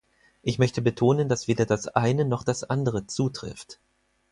Ich möchte betonen, dass weder das eine noch das andere zutrifft.